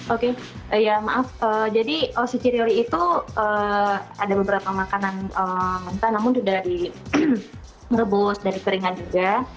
oke ya maaf jadi suci rioly itu ada beberapa makanan mentah namun sudah direbus dari keringan juga